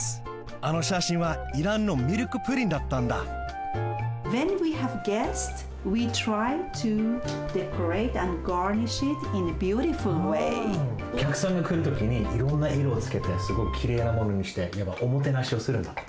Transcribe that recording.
あのしゃしんはイランのミルクプリンだったんだおきゃくさんがくるときにいろんないろをつけてすごくきれいなものにしておもてなしをするんだって。